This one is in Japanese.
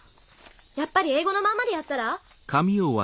やっぱり英語のまんまでやったら？